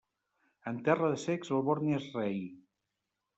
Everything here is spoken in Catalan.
En terra de cecs el borni és rei.